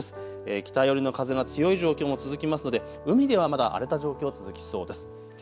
北寄りの風が強い状況も続きますので海ではまだ荒れた状況、続きそうです。